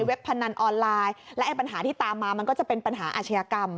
พนันออนไลน์และไอ้ปัญหาที่ตามมามันก็จะเป็นปัญหาอาชญากรรม